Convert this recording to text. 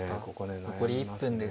残り１分です。